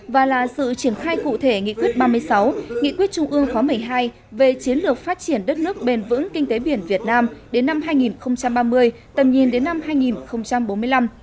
và là sự triển khai cụ thể nghị quyết ba mươi sáu nghị quyết trung ương khóa một mươi hai về chiến lược phát triển đất nước bền vững kinh tế biển việt nam đến năm hai nghìn ba mươi tầm nhìn đến năm hai nghìn bốn mươi năm